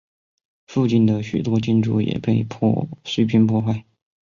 附近的许多建筑也被碎片破坏。